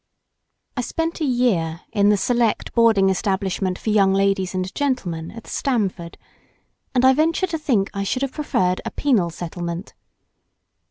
I spent a year in the select boarding establishment for young ladies and gentlemen at Stamford, and I venture to think that I should have preferred a penal settlement.